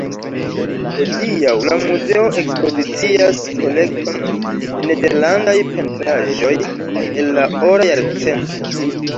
Hodiaŭ, la muzeo ekspozicias kolekton de nederlandaj pentraĵoj el la Ora Jarcento.